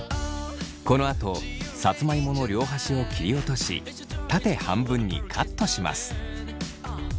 このあとさつまいもの両端を切り落とし縦半分にカットします。